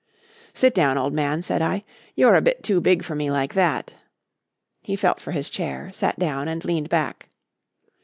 "Sit down, old man," said I. "You're a bit too big for me like that." He felt for his chair, sat down and leaned back.